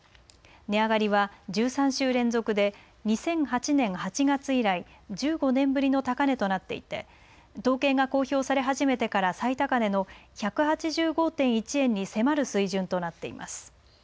値上がりは１３週連続で、２００８年８月以来１５年ぶりの高値となっていて、統計が公表され始めてから最高値の１８５．１円に迫る水準となっています。